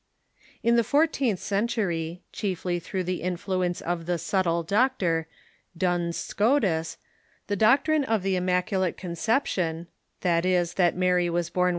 In the fourteenth century, chiefly through the influence of the "Subtle Doctor," Duns Scotus, the doctrine of the Immacu late Conception — that is, that Mary was born with l'""'^'^"'.